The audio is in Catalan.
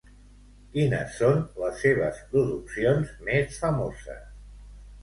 Quines són les seves produccions més famoses?